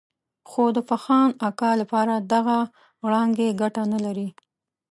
خو د فخان اکا لپاره دغه غړانګې ګټه نه لري.